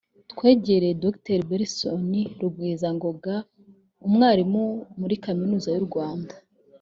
twegereye Dr Belson Rugwizangoga umwarimu muri Kaminuza y’u Rwanda